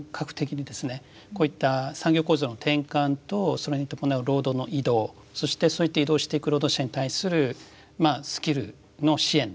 こういった産業構造の転換とそれに伴う労働の移動そしてそういった移動していく労働者に対するスキルの支援ですね。